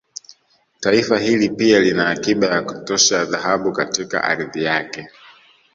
Taifa hili pia lina akiba ya kutosha ya Dhahabu katika ardhi yake